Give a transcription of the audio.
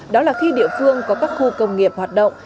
đó là khi địa phương có các khu công nghiệp hoạt động